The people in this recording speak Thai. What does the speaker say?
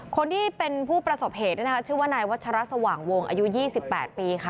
คนที่เป็นผู้ประสบเหตุชื่อว่านายวัชระสว่างวงอายุ๒๘ปีค่ะ